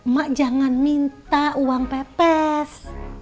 mak jangan minta uang pepes